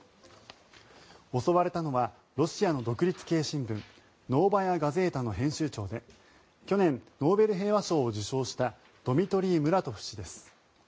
襲われたのはロシアの独立系新聞ノーバヤ・ガゼータの編集長で去年、ノーベル平和賞を受賞したドミトリー・ムラトフ氏です。